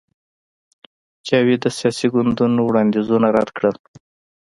جاوید د سیاسي ګوندونو وړاندیزونه رد کړل